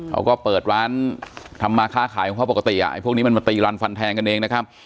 เขาก็เปิดร้านทำมาค้าขายของเขาปกติอ่ะไอ้พวกนี้มันมาตีรันฟันแทงกันเองนะครับ